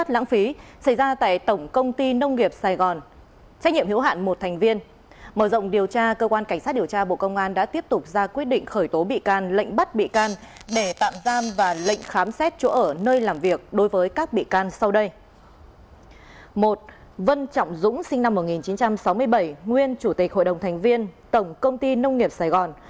một vân trọng dũng sinh năm một nghìn chín trăm sáu mươi bảy nguyên chủ tịch hội đồng thành viên tổng công ty nông nghiệp sài gòn